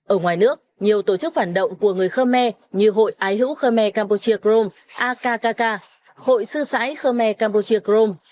ở ngoài nước nhiều tổ chức phản động của người khơ me như hội ái hữu khơ me campuchia crom akk hội sư sãi khơ me campuchia crome